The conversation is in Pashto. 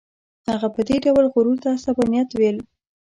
هغه به دې ډول غرور ته عصبانیت ویل.